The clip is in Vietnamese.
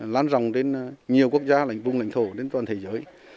lan rồng đến nhiều quốc gia lãnh vùng lãnh thổ đến toàn thế giới